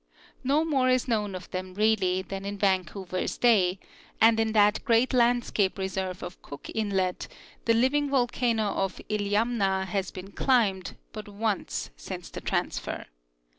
No more is known of them really than in Vancouver's day, and in that great landscape reserve of Cook inlet the living volcano of Iliamna has been climbed but once since the transfer.